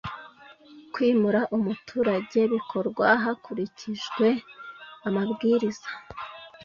Kwimura umuturage bikorwa hakurikijwe amabwiriza